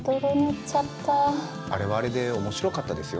あれはあれで面白かったですよ。